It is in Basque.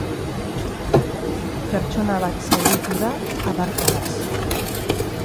Pertsona bat zauritu da adarkadaz.